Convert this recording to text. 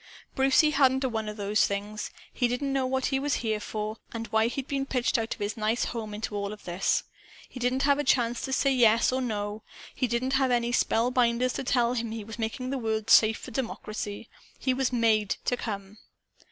"Brucie hadn't a one of those things. He didn't know what he was here for and why he'd been pitched out of his nice home, into all this. He didn't have a chance to say Yes or No. He didn't have any spellbinders to tell him he was making the world safe for d'mocracy. He was MADE to come.